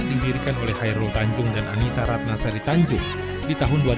didirikan oleh hairul tanjung dan anita ratnasari tanjung di tahun dua ribu dua